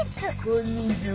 こんにちは。